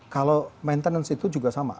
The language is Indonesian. kalau maintenance itu juga sama